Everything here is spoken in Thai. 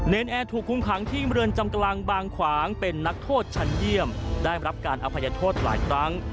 นแอร์ถูกคุมขังที่เมืองจำกลางบางขวางเป็นนักโทษชั้นเยี่ยมได้รับการอภัยโทษหลายครั้ง